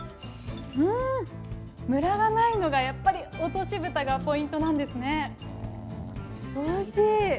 うーん、むらがないのがやっぱり、落としぶたがポイントなんですね。